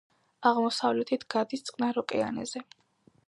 აღმოსავლეთით გადის წყნარ ოკეანეზე.